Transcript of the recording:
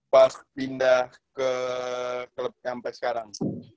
pas pindah ke club nyampe sekarang